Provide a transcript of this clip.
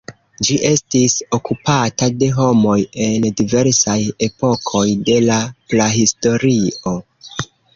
Ĝi estis okupata de homoj en diversaj epokoj de la Prahistorio.